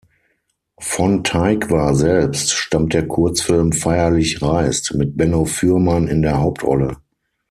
Von Tykwer selbst stammt der Kurzfilm "Feierlich reist" mit Benno Fürmann in der Hauptrolle.